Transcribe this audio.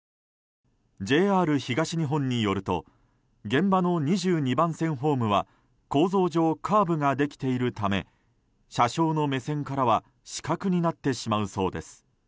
ＪＲ東日本によると現場の２２番線ホームは構造上、カーブができているため車掌の目線からは死角になってしまうそうです。